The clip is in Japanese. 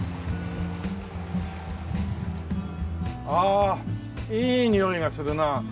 ああいいにおいがするな。